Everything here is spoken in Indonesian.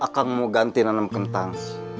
akan mau ganti nanam kentang